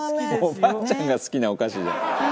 「おばあちゃんが好きなお菓子じゃん」